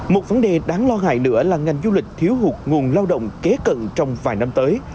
một vấn đề đáng lo ngại nữa là ngành du lịch thiếu hụt nguồn lao động kế cận trong vài năm tới